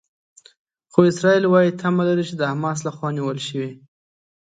خو اسرائیل وايي تمه لري چې د حماس لخوا نیول شوي.